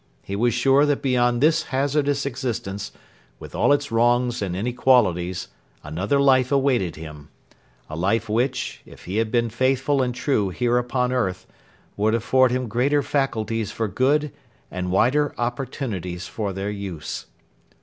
He was sure that beyond this hazardous existence, with all its wrongs and inequalities, another life awaited him a life which, if he had been faithful and true here upon earth, would afford him greater faculties for good and wider opportunities for their use.